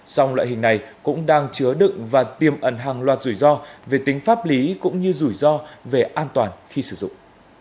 song loại hình này cũng đang chứa đựng và tiêm ẩn hàng loạt rủi ro về tính pháp lý cũng như rủi ro về an toàn khi sử dụng